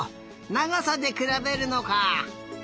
ながさでくらべるのか。